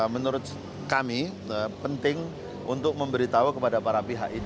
menurut kami penting untuk memberitahu kepada para pihak ini